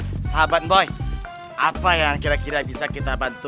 dengan sahabat boy apa yang kira kira bisa kita bantu